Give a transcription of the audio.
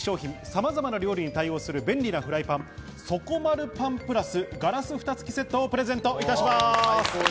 さまざまな料理に対応する便利なフライパン、「底丸パンＰｌｕｓガラス蓋付セット」をプレゼントいたします。